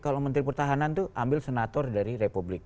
kalau menteri pertahanan itu ambil senator dari republik